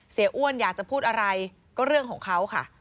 อ้วนอยากจะพูดอะไรก็เรื่องของเขาค่ะ